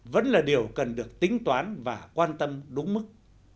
vẫn là điều cần được tính toán và quan tâm đúng mức